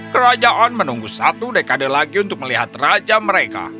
kerajaan menunggu satu dekade lagi untuk melihat raja mereka